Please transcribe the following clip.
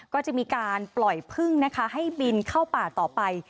ก็จะมีการปล่อยพึ่งนะคะให้บินเข้าป่าต่อไป